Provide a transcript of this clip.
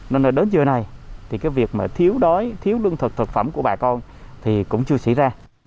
nên là đến trưa nay thì cái việc mà thiếu đói thiếu lương thực thực phẩm của bà con thì cũng chưa xảy ra